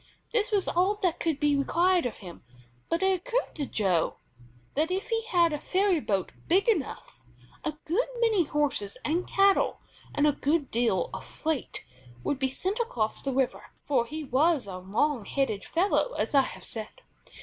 This was all that could be required of him, but it occurred to Joe that if he had a ferry boat big enough, a good many horses and cattle and a good deal of freight would be sent across the river, for he was a "long headed" fellow as I have said.